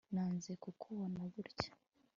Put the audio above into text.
nanze kukubona gutya